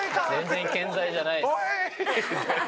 全然健在じゃないです。